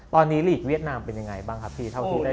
ตอนนี้ลีกเวียดนามเป็นยังไงบ้างครับพี่เท่าที่ได้